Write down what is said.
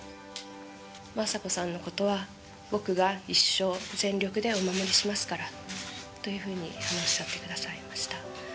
雅子さんのことは、僕が一生、全力でお守りしますからというふうに話してくださいました。